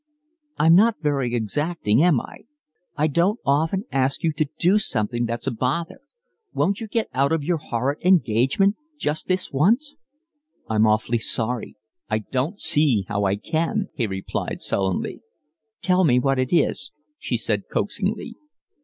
"I'm not very exacting, am I? I don't often ask you to do anything that's a bother. Won't you get out of your horrid engagement—just this once?" "I'm awfully sorry, I don't see how I can," he replied sullenly. "Tell me what it is," she said coaxingly.